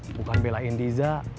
bukan belain diza